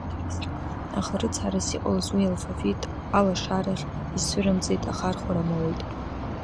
Аха рыцҳарас иҟалаз, уи алфавит алашарахь изцәырымҵит ахархәара амоуит.